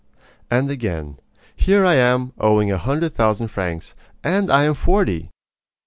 And again: Here I am, owing a hundred thousand francs. And I am forty!